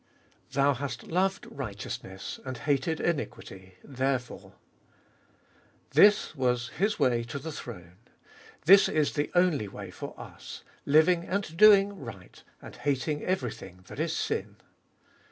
2. "Thou hast loved righteousness and hate.d iniquity, therefore "... This was His way to the throne ; this Is the only way for us, living and doing right, and hating everything that is sin.